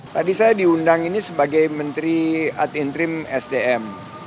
tadi saya diundang ini sebagai menteri ad intrim sdm